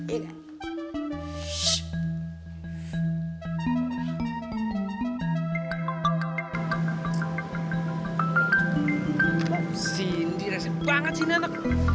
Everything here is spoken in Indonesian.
oh sindi resipi banget sih nenek